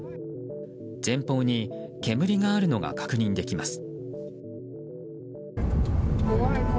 前方に煙があるのが確認できます。